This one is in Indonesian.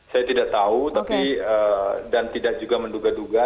saya tidak tahu tapi dan tidak juga menduga duga